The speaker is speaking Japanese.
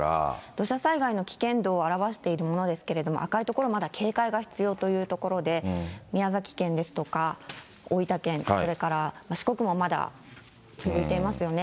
土砂災害の危険度を表しているものですけれども、赤い所、まだ警戒が必要という所で、宮崎県ですとか大分県、それから四国もまだ続いていますよね。